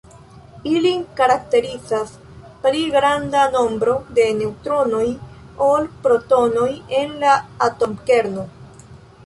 Ilin karakterizas pli granda nombro de neŭtronoj ol protonoj en la atomkerno.